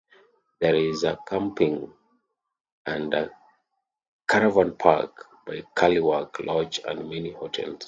There is a camping and caravan park by Carlingwark Loch and many hotels.